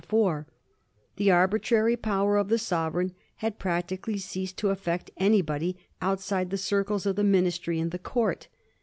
The arbitrary power of the sover eign had practically ceased to affect anybody outside the circles of the Ministry and the Court.